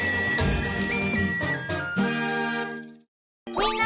みんな！